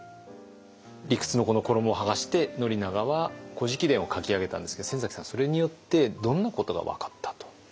理屈のこの衣をはがして宣長は「古事記伝」を書き上げたんですけど先さんはそれによってどんなことが分かったと？